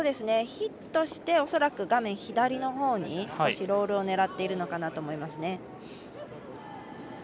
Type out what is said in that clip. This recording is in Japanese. ヒットして恐らく画面左のほうに少しロールを狙っているのかなと思います。